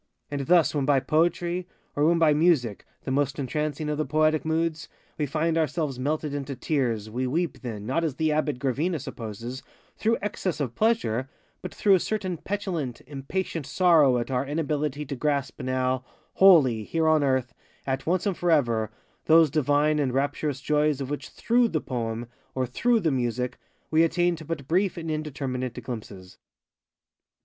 And thus when by Poetry, or when by Music, the most entrancing of the poetic moods, we find ourselves melted into tears, we weep then, not as the Abbate Gravina supposes, through excess of pleasure, but through a certain petulant, impatient sorrow at our inability to grasp now, wholly, here on earth, at once and for ever, those divine and rapturous joys of which _throughŌĆÖ _the poem, or _through _the music, we attain to but brief and indeterminate glimpses.